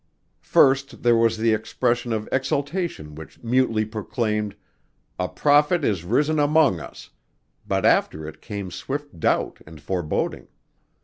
First there was the expression of exaltation which mutely proclaimed: "A prophet is risen among us," but after it came swift doubt and foreboding.